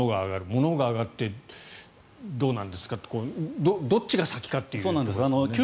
ものが上がってどうなんですかってどっちが先かというところですね。